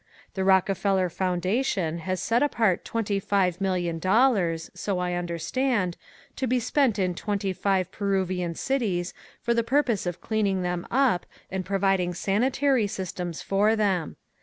The Rockefeller Foundation has set apart twenty five million dollars, so I understand, to be spent in twenty five Peruvian cities for the purpose of cleaning them up and providing sanitary systems for them.